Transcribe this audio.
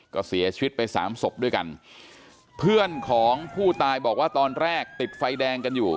ก็เสียชีวิตไปสามศพด้วยกันเพื่อนของผู้ตายบอกว่าตอนแรกติดไฟแดงกันอยู่